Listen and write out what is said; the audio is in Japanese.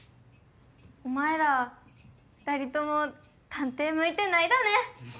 お前ら２人とも探偵向いてないだね！